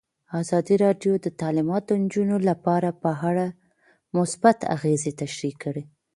ازادي راډیو د تعلیمات د نجونو لپاره په اړه مثبت اغېزې تشریح کړي.